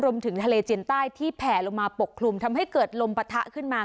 รวมถึงทะเลจีนใต้ที่แผ่ลงมาปกคลุมทำให้เกิดลมปะทะขึ้นมา